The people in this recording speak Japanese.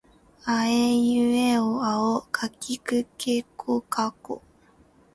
あえいうえおあおかけきくけこかこ